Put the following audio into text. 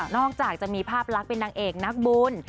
อกจากจะมีภาพลักษณ์เป็นนางเอกนักบุญ